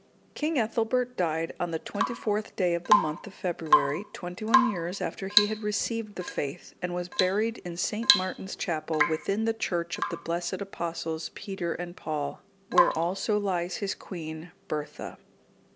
King Ethelbert died on the 24th day of the month of February, twenty one years after he had received the faith,(192) and was buried in St. Martin's chapel within the church of the blessed Apostles Peter and Paul, where also lies his queen, Bertha.